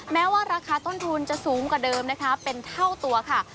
แม้ว่าราคาต้นทุนจะสูงกว่าเดิมนะคะเป็นเท่าตัวค่ะ